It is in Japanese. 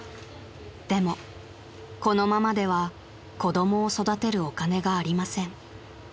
［でもこのままでは子供を育てるお金がありません］